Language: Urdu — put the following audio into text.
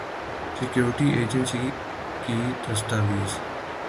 سیکورٹی ایجنسی کی دستاویز